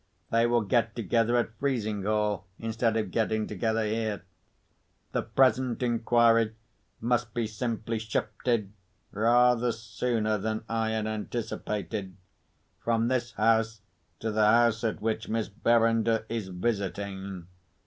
They will get together at Frizinghall, instead of getting together here. The present inquiry must be simply shifted (rather sooner than I had anticipated) from this house, to the house at which Miss Verinder is visiting.